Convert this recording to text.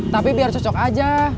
tapi biar cocok aja